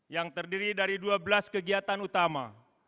yang terdiri dari dua belas kegiatan utama